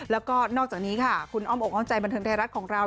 แล้วก็นอกจากนี้ค่ะคุณอ้อมอกอ้อมใจบันเทิงไทยรัฐของเรา